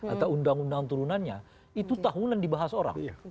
atau undang undang turunannya itu tahunan dibahas orang